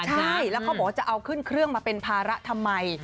ใช่แล้วเขาบอกว่าจะเอาขึ้นเครื่องมาเป็นภาระทำไม